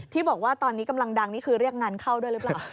ที่บอกว่าตอนนี้กำลังดังนี่คือเรียกงานเข้าด้วยหรือเปล่า